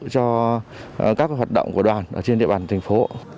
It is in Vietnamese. cho các hoạt động của đoàn trên địa bàn thành phố